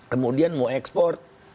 kemudian mau ekspor